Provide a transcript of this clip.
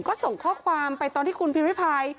ก็ส่งข้อความไปตอนที่คุณพิมริพาย